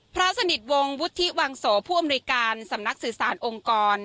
พระสนิทวงศ์วุฒิวังโสผู้อำนวยการสำนักสื่อสารองค์กร